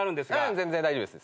全然大丈夫です。